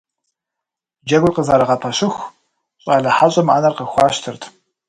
Джэгур къызэрагъэпэщыху, щӀалэ хьэщӀэм Ӏэнэ къыхуащтэрт.